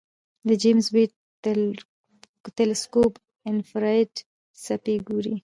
د جیمز ویب تلسکوپ انفراریډ څپې ګوري.